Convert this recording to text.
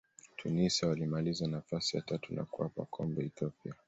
tunisia walimaliza nafasi ya tatu na kuwapa komba ethiopia